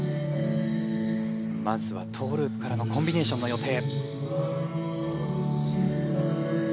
まずはトーループからのコンビネーションの予定。